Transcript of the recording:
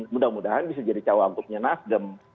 mudah mudahan bisa jadi cowok untuk menyenangkan